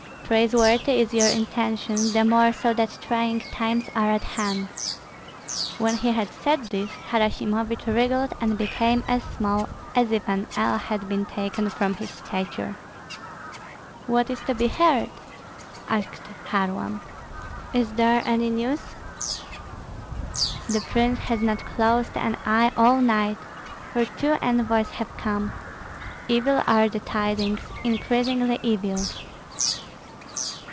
"Praiseworthy is your intention, the more so that trying times are at hand." When he had said this, Harasimovich wriggled and became as small as if an ell had been taken from his stature. "What is to be heard?" asked Kharlamp. "Is there any news?" "The prince has not closed an eye all night, for two envoys have come. Evil are the tidings, increasingly evil.